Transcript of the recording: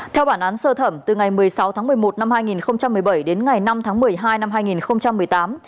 theo bản án sơ thẩm từ ngày một mươi sáu tháng một mươi một năm hai nghìn một mươi bảy đến ngày năm tháng một mươi hai năm hai nghìn một mươi tám